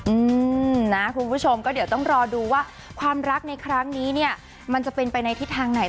อืมนะคุณผู้ชมก็เดี๋ยวต้องรอดูว่าความรักในครั้งนี้เนี่ยมันจะเป็นไปในทิศทางไหน